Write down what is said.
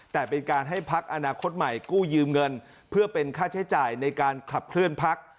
แต่เป็นการให้พักอนาคตใหม่กู้ยืมเงินเพื่อเป็นค่าใช้จ่ายในการขับเคลื่อนพัก